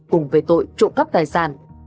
cùng về tội trộm cắp tài sản